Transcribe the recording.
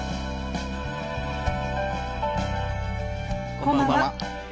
こんばんは。